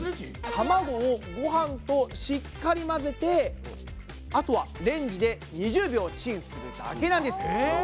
卵をごはんとしっかり混ぜてあとはレンジで２０秒チンするだけなんです！